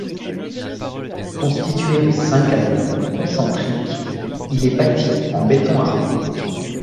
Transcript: Constitué de cinq anneaux concentriques, il est bâti en béton armé.